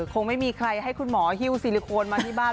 คงไม่มีใครให้คุณหมอฮิ้วซิลิโคนมาที่บ้าน